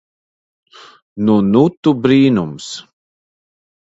Nu nu tu brīnums.